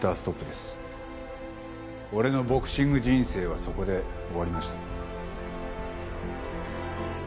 俺のボクシング人生はそこで終わりました。